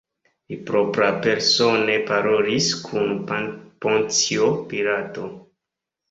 Li proprapersone parolis kun Poncio Pilato.